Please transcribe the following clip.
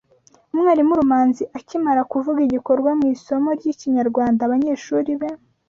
Umwarimu Rumanzi akimara kuvuga igikorwa mu isomo ry’Ikinyarwanda abanyeshuri be